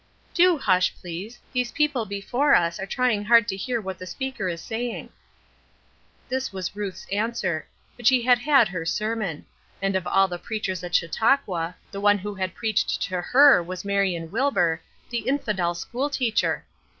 "Do hush, please. These people before us are trying hard to hear what the speaker is saying." This was Ruth's answer; but she had had her sermon; and of all the preachers at Chautauqua, the one who had preached to her was Marion Wilbur, the infidel school teacher!